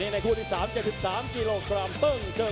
และดันเพจมาใชคันข้อโพรสมาส์เพู้จัย